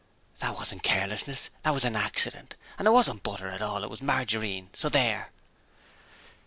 'That wasn't carelessness: that was an accident, and it wasn't butter at all: it was margarine, so there!'